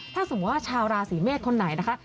ถ้าสมมุติว่าชาวราศีเมษคนไหนนะคะ